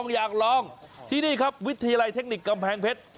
อยากลองที่นี่ครับวิทยาลัยเทคนิคกำแพงเพชร